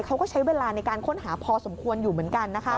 เขาก็ใช้เวลาในการค้นหาพอสมควรอยู่เหมือนกันนะคะ